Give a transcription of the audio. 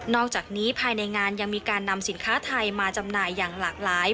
อกจากนี้ภายในงานยังมีการนำสินค้าไทยมาจำหน่ายอย่างหลากหลาย